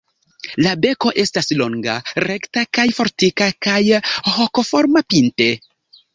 La beko estas longa, rekta kaj fortika kaj hokoforma pinte.